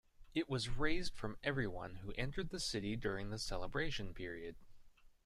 It was raised from everyone who entered the city during the celebration period.